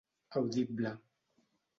Audible: